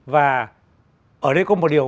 và ở đây có một điều